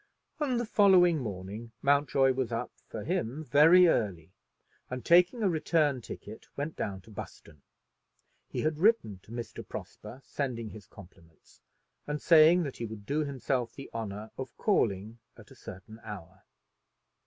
On the following morning Mountjoy was up, for him, very early, and taking a return ticket went down to Buston. He had written to Mr. Prosper, sending his compliments, and saying that he would do himself the honor of calling at a certain hour.